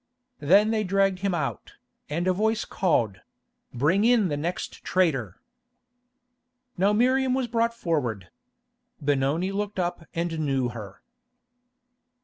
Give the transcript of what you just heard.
Then they dragged him out, and a voice called—"Bring in the next traitor." Now Miriam was brought forward. Benoni looked up and knew her.